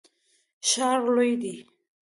ښار لوی دی.